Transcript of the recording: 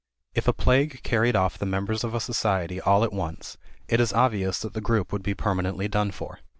If a plague carried off the members of a society all at once, it is obvious that the group would be permanently done for.